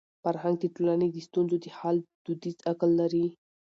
فرهنګ د ټولني د ستونزو د حل دودیز عقل لري.